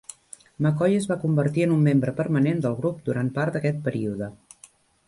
McKoy es va convertir en un membre permanent del grup durant part d'aquest període.